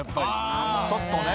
ちょっとね。